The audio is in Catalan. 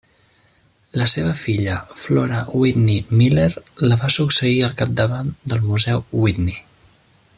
La seva filla Flora Whitney Miller la va succeir al capdavant del Museu Whitney.